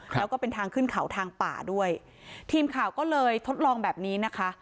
แล้วก็เป็นทางขึ้นเขาทางป่าด้วยทีมข่าวก็เลยทดลองแบบนี้นะคะ